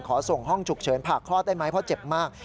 ส่งห้องฉุกเฉินผ่าคลอดได้ไหมเพราะเจ็บมาก